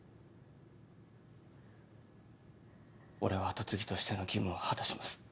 俺は跡継ぎとしての義務を果たします。